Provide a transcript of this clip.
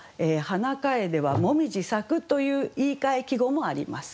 「花楓」は「もみじ咲く」という言いかえ季語もあります。